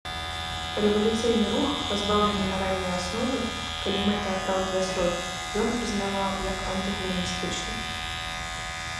Рэвалюцыйны рух, пазбаўлены маральнай асновы, калі мэта апраўдвае сродкі, ён прызнаваў як антыгуманістычны.